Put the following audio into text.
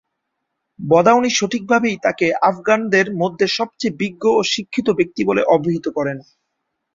বদাউনী সঠিকভাবেই তাকে আফগানদের মধ্যে সবচেয়ে বিজ্ঞ ও শিক্ষিত ব্যক্তি বলে অভিহিত করেন।